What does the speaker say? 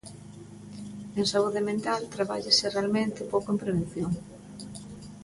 En saúde mental trabállase realmente pouco en prevención.